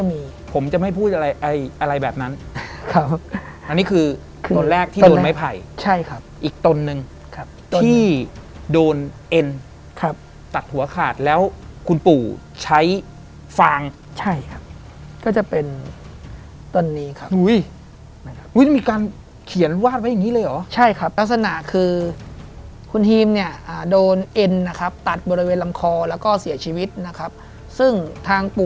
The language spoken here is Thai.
ไม่มีกลิ่น